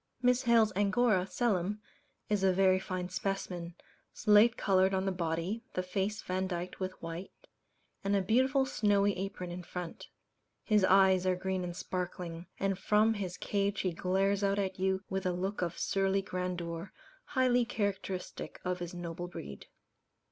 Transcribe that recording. Miss Hales's Angora, "Selim," is a very fine specimen slate coloured on the body, the face vandyked with white, and a beautiful snowy apron in front. His eyes are green and sparkling; and from his cage he glares out at you with a look of surly grandeur, highly characteristic of his noble breed.